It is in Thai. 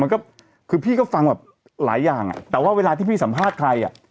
มันก็คือพี่ก็ฟังแบบหลายอย่างอ่ะแต่ว่าเวลาที่พี่สัมภาษณ์ใครอ่ะ